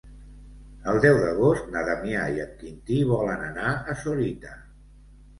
El deu d'agost na Damià i en Quintí volen anar a Sorita.